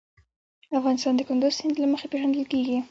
افغانستان د کندز سیند له مخې پېژندل کېږي.